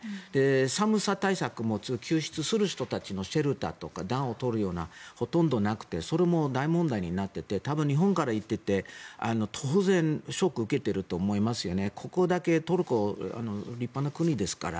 寒さ対策も救出する人たちのシェルターとか暖を取るものがほとんどなくてそれも大問題になっていて日本から行っている人は当然、ショックを受けていると思いますよね。